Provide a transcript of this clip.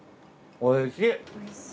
おいしい。